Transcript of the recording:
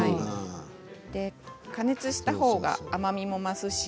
加熱したほうが甘みも増すし。